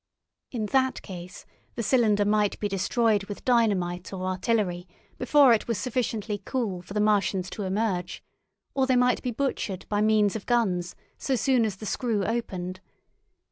In that case the cylinder might be destroyed with dynamite or artillery before it was sufficiently cool for the Martians to emerge, or they might be butchered by means of guns so soon as the screw opened.